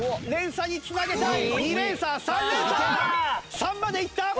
３までいった！